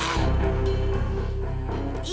bila perlu kita timan